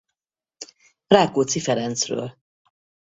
Rákóczi Ferencről.